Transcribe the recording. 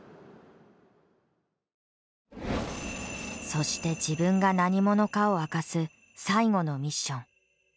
そして自分が何者かを明かす最後のミッション。